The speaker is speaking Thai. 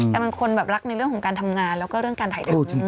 แต่บางคนแบบรักในเรื่องของการทำงานแล้วก็เรื่องการถ่ายทำ